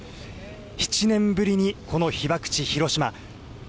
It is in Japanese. ７年ぶりにこの被爆地、広島。